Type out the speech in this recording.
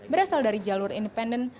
berasal dari jalur independen